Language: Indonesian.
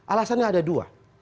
alasannya ada dua